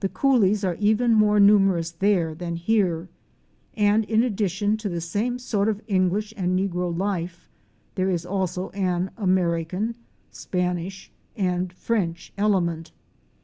The coolies are even more numerous there than here, and in addition to the same sort of English and negro life, there is also an American, Spanish and French element.